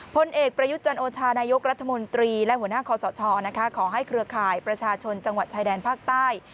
พลเอกประยุทธ์จันโอชานายกรัฐมนตรีและหัวหน้าคอสชขอให้เครือข่ายประชาชนจังหวัดชายแดนภาคใต้